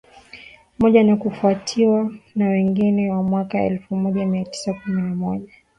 moja na kufuatiwa na mwingine wa mwaka elfu moja mia tisa kumi na moja